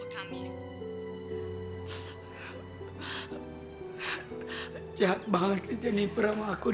kami ketemu di syuting sinetron terbaru kami